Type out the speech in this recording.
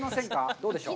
どうでしょう？